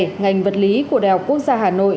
ngành vật lý của đại học quốc gia hà nội